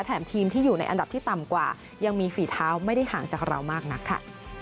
แถมทีมที่อยู่ในอันดับที่ต่ำกว่ายังมีฝีเท้าไม่ได้ห่างจากเรามากนักค่ะ